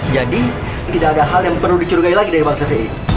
jadi tidak ada hal yang perlu dicurigai lagi dari bang safei